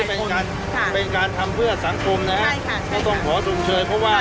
เป็นการเป็นการทำเวื่อสังคมนะครับใช่ค่ะเขาต้องขอสูญเชิญเพราะว่า